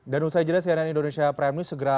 dan usai jelas kianan indonesia prime news segera